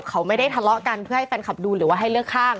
เขาไม่ได้ทะเลาะกันเพื่อให้แฟนคลับดูหรือว่าให้เลือกข้าง